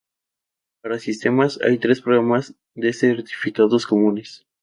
Para sistemas, hay tres programas de certificados comunes.